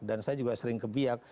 dan saya juga sering ke biak